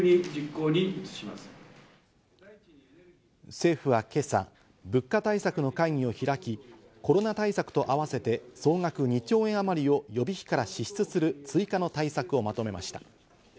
政府は今朝、物価対策の会議を開き、コロナ対策と合わせて総額２兆円あまりを予備費から支出する追加の対策をまとめました。